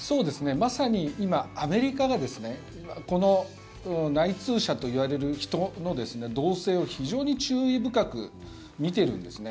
まさに今、アメリカはこの内通者といわれる人の動静を非常に注意深く見ているんですね。